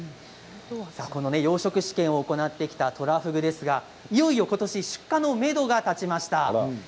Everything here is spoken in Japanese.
この養殖試験を行ってきたトラフグですがいよいよことし出荷のめどが立ちました。